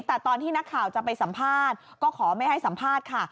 แต่ตอนที่นักข่าวจะไปสัมภาษณ์ก็ขอไม่ให้สัมภาษณ์ค่ะ